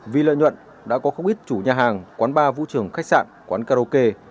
vì lợi nhuận đã có không ít chủ nhà hàng quán bar vũ trường khách sạn quán karaoke